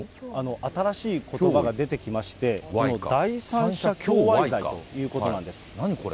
新しいことばが出てきまして、第三者供賄罪ということなんです。